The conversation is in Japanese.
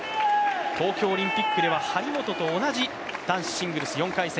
東京オリンピックでは張本と同じ男子シングルス４回戦